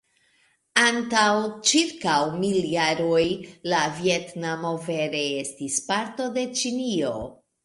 Antaŭ ĉirkaŭ mil jaroj, la Vjetnamo vere estis parto de Ĉinio.